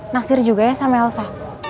nasir juga ya sama elsa